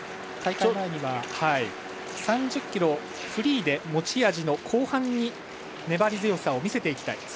大会前には３０ｋｍフリーで持ち味の後半に粘り強さを見せていきたい。